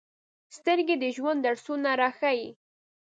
سترګې د ژوند درسونه راښيي